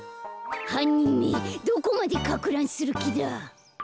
はんにんめどこまでかくらんするきだ。